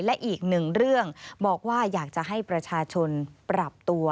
และอีกหนึ่งเรื่องบอกว่าอยากจะให้ประชาชนปรับตัว